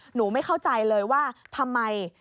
หนูไม่เข้าใจเลยว่าทำไม